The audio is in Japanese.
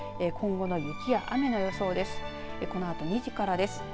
今後の雪や雨の予想です。